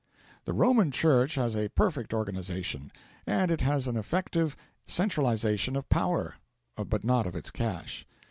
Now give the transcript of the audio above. The Roman Church has a perfect organisation, and it has an effective centralisation of power but not of its cash.